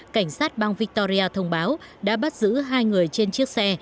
cảnh sát bang victoria thông báo đã bắt giữ hai người trên chiếc xe